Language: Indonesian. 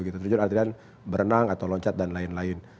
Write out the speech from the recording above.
terjun artian berenang atau loncat dan lain lain